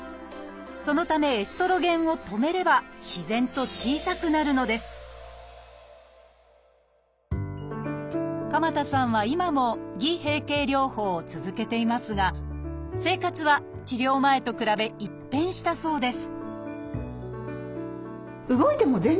そのためエストロゲンを止めれば自然と小さくなるのです鎌田さんは今も偽閉経療法を続けていますが生活は治療前と比べ一変したそうです